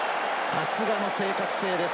さすがの正確性です。